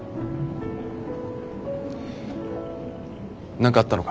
何かあったのか？